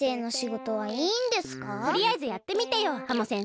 とりあえずやってみてよハモ先生。